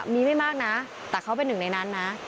มีไม่มากนะแต่เขาเป็นหนึ่งในนั้นนะ